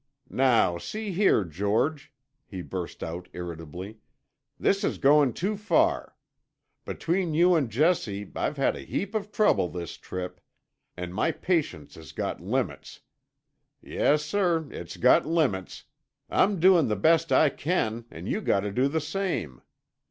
"Now, see here, George," he burst out irritably. "This is goin' too far. Between you and Jessie I've had a heap of trouble this trip. And my patience has got limits. Yes, sir. It's got limits! I'm doin' the best I can, and you got to do the same.